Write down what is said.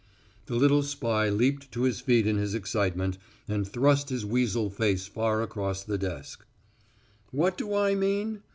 The little spy leaped to his feet in his excitement and thrust his weasel face far across the desk. "What do I mean?